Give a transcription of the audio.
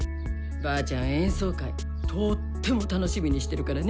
ばあちゃん演奏会とっても楽しみにしてるからね！